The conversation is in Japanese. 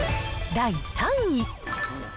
第３位。